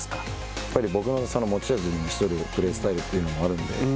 やっぱり僕の持ち味にしているプレースタイルというのがあるので。